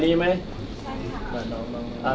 ใช่คนร้ายลายนี้ไหม